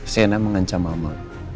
sienna mengancam mama